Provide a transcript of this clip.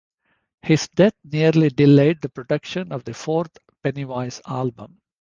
His death nearly delayed the production of the fourth Pennywise album.